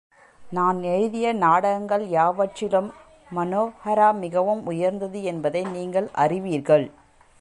நான் எழுதிய நாடகங்கள் யாவற்றிலும் மனேஹரா மிகவும் உயர்ந்தது என்பதை நீங்கள் அறிவீர்கள்.